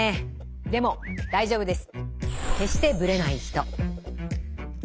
でも大丈夫です。